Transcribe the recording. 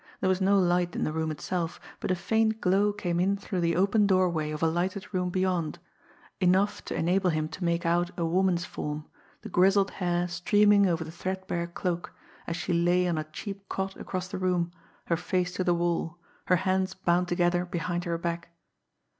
There was no light in the room itself, but a faint glow came in through the open doorway of a lighted room beyond enough to enable him to make out a woman's form, the grizzled hair streaming over the threadbare cloak, as she lay on a cheap cot across the room, her face to the wall, her hands bound together behind her back.